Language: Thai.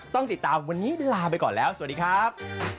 ต้องติดตามวันนี้ลาไปก่อนแล้วสวัสดีครับ